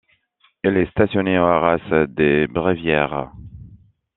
Il est stationné au haras des Bréviaires.